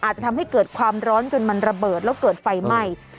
อาจจะทำให้เกิดความร้อนจนมันระเบิดแล้วเกิดไฟไหม้